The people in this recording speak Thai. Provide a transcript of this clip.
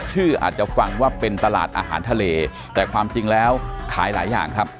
อาจจะฟังว่าเป็นตลาดอาหารทะเลแต่ความจริงแล้วขายหลายอย่างครับ